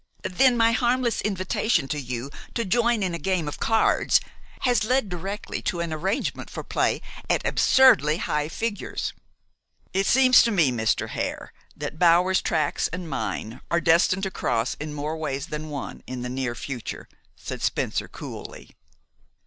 "Then my harmless invitation to you to join in a game at cards has led directly to an arrangement for play at absurdly high figures?" "It seems to me, Mr. Hare, that Bower's tracks and mine are destined to cross in more ways than one in the near future," said Spencer coolly.